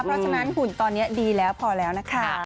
เพราะฉะนั้นหุ่นตอนนี้ดีแล้วพอแล้วนะคะ